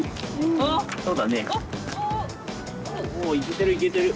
おおいけてるいけてる。